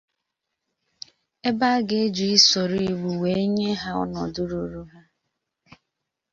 ebe a ga-eji usoro iwu wee nye ha ọnọdụ ruru ha.